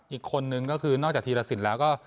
อีกคนนึงก็คือนอกจากธีรสินแล้วก็